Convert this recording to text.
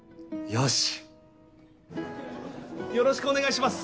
よろしくお願いします